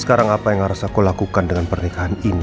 sekarang apa yang harus aku lakukan dengan pernikahan ini